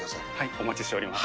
お待ちしております。